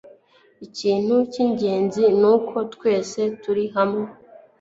Ikintu cyingenzi nuko twese turi hamwe